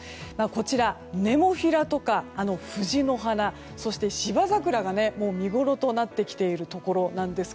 こちら、ネモフィラとか藤の花そして芝桜が見ごろとなってきているところです。